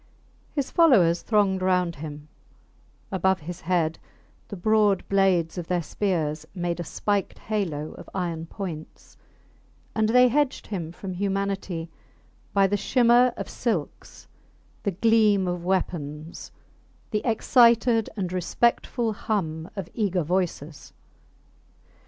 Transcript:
His followers thronged round him; above his head the broad blades of their spears made a spiked halo of iron points, and they hedged him from humanity by the shimmer of silks, the gleam of weapons, the excited and respectful hum of eager voices.